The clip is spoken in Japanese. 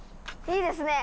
いいですね！